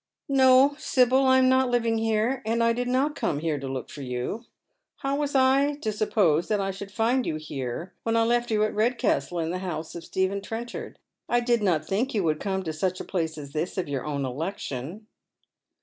" No, Sibyl, I am not living here, and I did not come here to look for you. How was I to suppose that I should find you here when 1 left you at Redcastle in the house of Stephen Trenchard ? I did not think you would come to such a place as this of your own election."